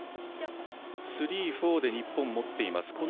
スリー、フォーで日本は持っています。